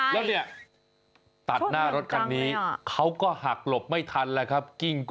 แล้วเนี่ยตัดหน้ารถคันนี้เขาก็หักหลบไม่ทันแล้วครับ